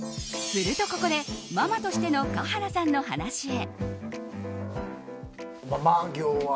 するとここでママとしての華原さんの話へ。